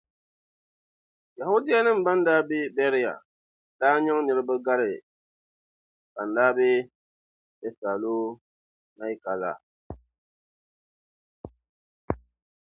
Yɛhudianim’ bɛn daa be Bɛria daa nyaŋ niriba gari bɛn daa be Tɛsalɔnaika la.